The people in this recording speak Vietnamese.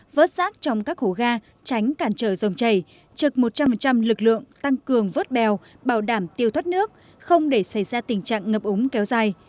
vớt rác trong các hố ga tránh cản trở dòng chảy trực một trăm linh lực lượng tăng cường vớt bèo bảo đảm tiêu thoát nước không để xảy ra tình trạng ngập úng kéo dài